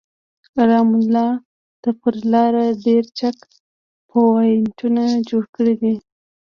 رام الله ته پر لاره ډېر چک پواینټونه جوړ کړي دي.